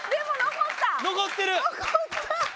残った！